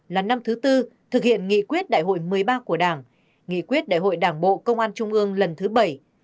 là năm thứ tư thực hiện nghị quyết đại hội một mươi ba của đảng nghị quyết đại hội đảng bộ công an trung ương lần thứ bảy